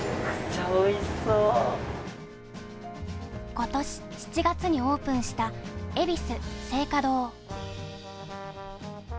今年７月にオープンしたＥＢＩＳＵ青果堂。